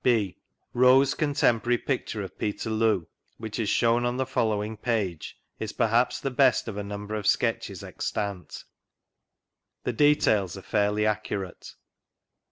(A) Wroe's Contemporary Picture of Peterloo, which is shewn on the following page, is perhaps the best of a number of sketches extant. The details are fairly accurate.